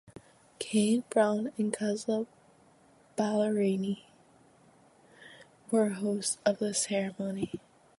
Kane Brown and Kelsea Ballerini were hosts of the ceremony.